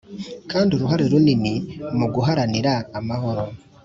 kandi uruhare runini mu guharanira amahoro